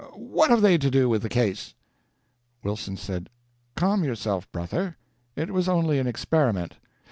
What have they to do with the case?" Wilson said: "Calm yourself, brother, it was only an experiment.